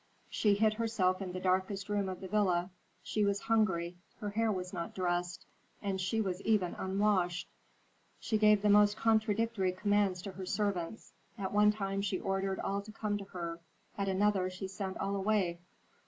She hid herself in the darkest room of the villa; she was hungry, her hair was not dressed, she was even unwashed. She gave the most contradictory commands to her servants; at one time she ordered all to come to her, at another she sent all away.